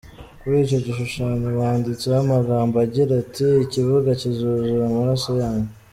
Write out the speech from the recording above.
Kuri icyo gishushanyo banditseho amagambo agira ati “Ikibuga kizuzura amaraso yanyu.